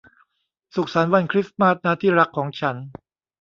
สุขสันต์วันคริสต์มาสนะที่รักของฉัน